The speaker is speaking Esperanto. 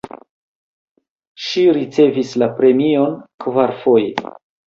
Ŝi ricevis la premion kvarfoje.